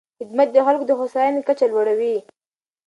خدمت د خلکو د هوساینې کچه لوړوي.